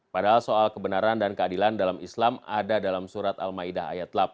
padahal soal kebenaran dan keadilan dalam islam ada dalam surat al ma'idah ayat delapan